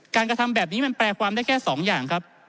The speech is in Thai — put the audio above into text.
กระทำแบบนี้มันแปลความได้แค่๒อย่างครับ